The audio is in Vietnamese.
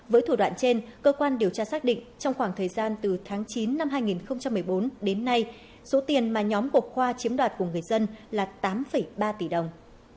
với thủ đoạn trên cơ quan điều tra xác định trong khoảng thời gian từ tháng chín năm hai nghìn một mươi bốn đến nay số tiền mà nhóm của khoa chiếm đoạt của người dân là tám ba tỷ đồng